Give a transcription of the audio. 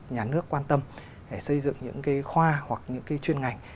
nhà nước quan tâm để xây dựng những cái khoa hoặc những cái chuyên ngành